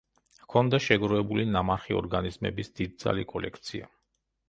ჰქონდა შეგროვებული ნამარხი ორგანიზმების დიდძალი კოლექცია.